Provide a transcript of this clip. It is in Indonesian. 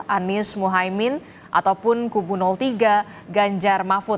anies muhaimin ataupun kubu tiga ganjar mafud